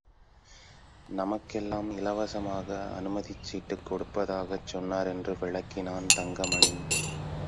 நமக்கெல்லாம் இலவசமாக அனுமதிச்சீட்டுக் கொடுப்பதாகச் சொன்னார் என்று விளக்கினான் தங்கமணி.